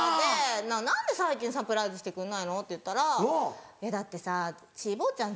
何で最近サプライズしてくんないの？って言ったら「だってさちーぼぉちゃん